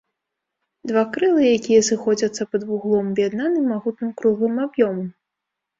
Два крылы, якія сыходзяцца пад вуглом, аб'яднаны магутным круглым аб'ёмам.